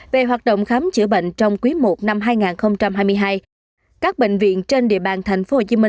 về hoạt động khám chữa bệnh trong quý i năm hai nghìn hai mươi hai các bệnh viện trên địa bàn tp hcm